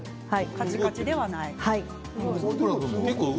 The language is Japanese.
カチカチではない。